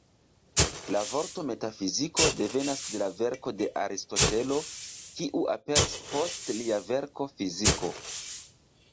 La vorto "metafiziko" devenas de verko de Aristotelo, kiu aperis "post" lia verko "fiziko".